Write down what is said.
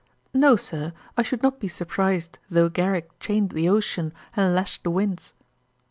'No, Sir, I should not be surprised though Garrick chained the ocean, and lashed the winds.'